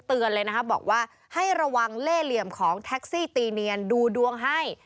เตือนเลยนะครับบอกว่าให้ระวังเล่เหลี่ยมของแท็กซี่ตีเนียนดูดวงให้